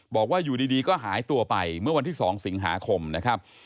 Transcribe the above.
บอกว่าอยู่ดีก็หายตัวไปเมื่อวันที่๒สิงหาคมนะครับ